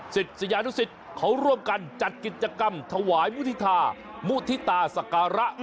สิทธิ์สยานุสิทธิ์เขาร่วมกันจัดกิจกรรมถวายมุฒิธามุฒิธาศักระ